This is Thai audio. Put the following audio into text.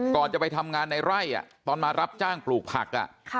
ก่อนจะไปทำงานในไร่ตอนมารับจ้างปลูกผัก